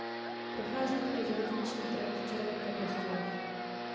Prochází tudy železniční trať Červenka–Prostějov.